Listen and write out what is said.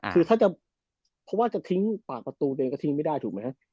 คือถ้าจะเพราะว่าจะทิ้งปากประตูตัวเองก็ทิ้งไม่ได้ถูกไหมฮะ